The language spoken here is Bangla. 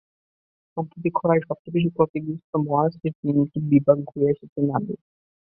সম্প্রতি খরায় সবচেয়ে বেশি ক্ষতিগ্রস্ত মহারাষ্ট্রের তিনটি বিভাগ ঘুরে এসেছেন আমির।